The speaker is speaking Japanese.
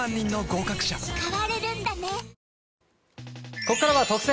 ここからは、特選！！